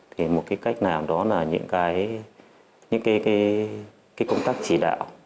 thì một cách nào đó là những công tác chỉ đạo